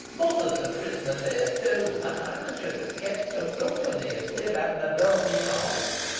Mother is a pris'ner theere, too. An ey should ha kept em company, if Tib hadna brought me off.